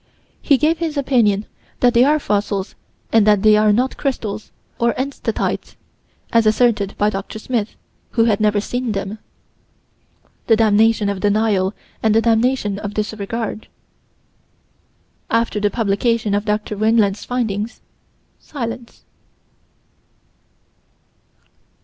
He gave his opinion that they are fossils and that they are not crystals of enstatite, as asserted by Prof. Smith, who had never seen them. The damnation of denial and the damnation of disregard: After the publication of Dr. Weinland's findings silence.